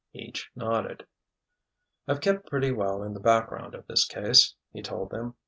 Each nodded. "I've kept pretty well in the background of this case," he told them.